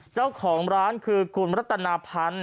เจ้าของร้านคือคุณรัตนาพันธ์